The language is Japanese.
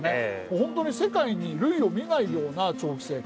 本当に世界に類を見ないような長期政権。